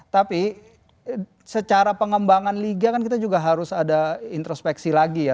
tapi secara pengembangan liga kan kita juga harus ada introspeksi lagi ya